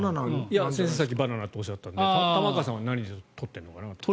先生、さっきバナナとおっしゃっていたので玉川さんは何で取っているのかなと。